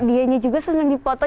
dianya juga seneng dipoto